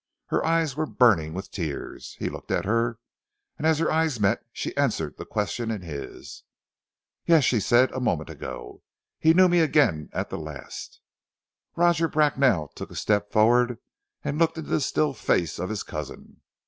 Her eyes were burning with tears. He looked at her, and as their eyes met, she answered the question in his. "Yes," she said, "a moment ago. He knew me again at the last." Roger Bracknell took a step forward, and looked into the still face of his cousin.